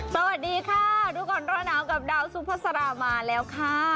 สวัสดีค่ะทุกคนต้อนรับดาวซุภาษารามาแล้วค่ะ